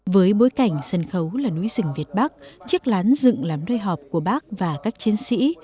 với bối cảnh sân khấu là núi rừng việt bắc chiếc lán dựng làm nơi họp của bác và các chiến sĩ